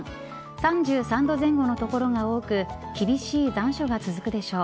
３３度前後の所が多く厳しい残暑が続くでしょう。